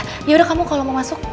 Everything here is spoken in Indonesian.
ah yaudah kamu kalo mau masuk